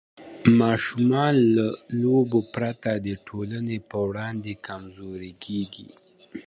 ماشومان له لوبو پرته د ټولنې په وړاندې کمزوري کېږي.